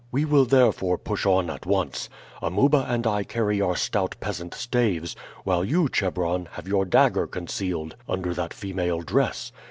We will therefore push on at once. Amuba and I carry our stout peasant staves, while you, Chebron, have your dagger concealed under that female dress.